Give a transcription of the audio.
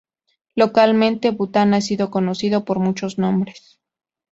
Localmente, Bután ha sido conocido por muchos nombres.